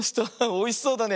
おいしそうだね。